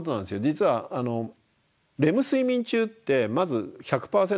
実はレム睡眠中ってまず１００％